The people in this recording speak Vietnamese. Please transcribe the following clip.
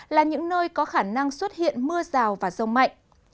là những nơi có khả năng xuất hiện mưa rào và rông mạnh